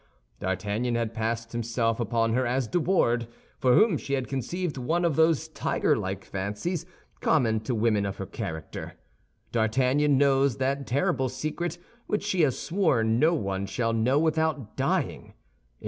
D'Artagnan had passed himself upon her as De Wardes, for whom she had conceived one of those tigerlike fancies common to women of her character. D'Artagnan knows that terrible secret which she has sworn no one shall know without dying.